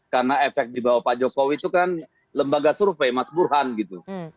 karena efek dibawa pak jokowi itu kan lembaga survei mas burhan gitu